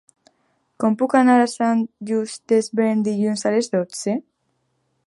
Com puc anar a Sant Just Desvern dilluns a les dotze?